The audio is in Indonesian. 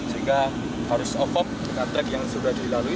sehingga harus off off track yang sudah dilalui